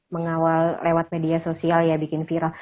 mengawal lewat media sosial ya bikin viral